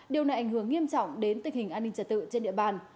điều này ảnh hưởng nghiêm trọng đến tình hình an ninh trật tự trên địa bàn